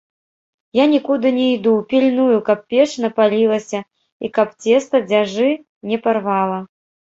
Я нікуды не іду, пільную, каб печ напалілася і каб цеста дзяжы не парвала.